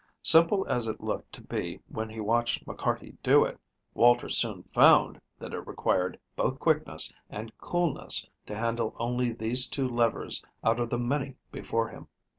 Simple as it looked to be when he watched McCarty do it, Walter soon found that it required both quickness and coolness to handle only these two levers out of the many before him.